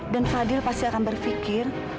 dan fadil pasti akan berpikir